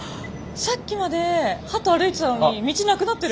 さっきまでハト歩いてたのに道なくなってる！